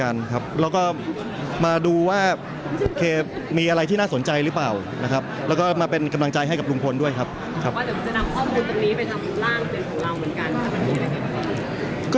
อาจจะนำข้อมูลอันนี้ไปทำกล้างเด่นของเราเหมือนกัน